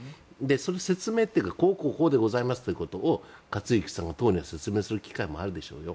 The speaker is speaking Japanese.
説明というかこうこうこうでございますということを克行さんが党にご説明する機会もあるでしょうよ。